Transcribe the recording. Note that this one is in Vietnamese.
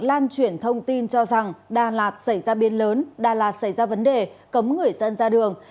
lan chuyển thông tin cho rằng đà lạt xảy ra biên lớn đà lạt xảy ra vấn đề cấm người dân ra đường